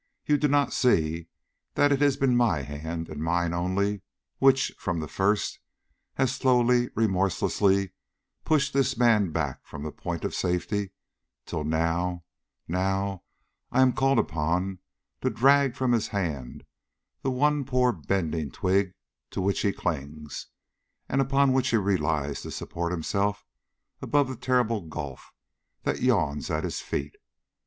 "You do not see that it has been my hand, and mine only, which, from the first, has slowly, remorselessly pushed this man back from the point of safety, till now, now, I am called upon to drag from his hand the one poor bending twig to which he clings, and upon which he relies to support him above the terrible gulf that yawns at his feet.